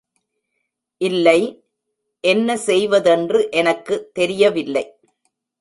இல்லை, என்ன செய்வதென்று எனக்கு தெரியவில்லை.